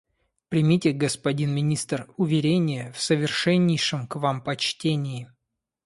«Примите, господин министр, уверение в совершеннейшем к Вам почтении».